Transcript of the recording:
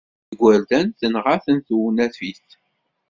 Igerdan tenɣa-ten tewnafit.